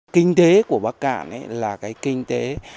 kinh tế của bắc cạn là kinh tế